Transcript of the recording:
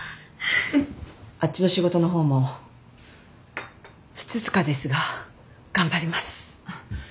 あっちの仕事の方もふつつかですが頑張ります。